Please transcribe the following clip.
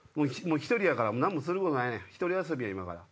１人やから何もすることないねん一人遊びや今から。